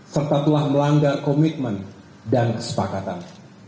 serta telah melanggar komitmen dan kesepakatan